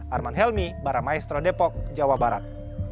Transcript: arman helmy para maestro depok jawa barat